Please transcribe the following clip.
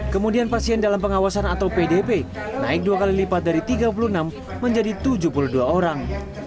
kemudian pasien dalam pengawasan atau pdp naik dua kali lipat dari tiga puluh enam menjadi tujuh puluh dua orang